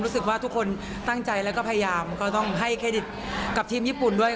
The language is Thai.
รู้สึกว่าทุกคนตั้งใจแล้วก็พยายามก็ต้องให้เครดิตกับทีมญี่ปุ่นด้วย